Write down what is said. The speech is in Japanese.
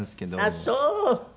ああそう！